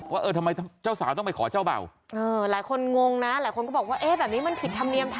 เออทำไมเจ้าสาวต้องไปขอเจ้าเบ่าหลายคนงงนะหลายคนก็บอกว่าเอ๊ะแบบนี้มันผิดธรรมเนียมทำ